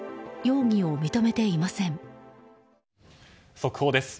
速報です。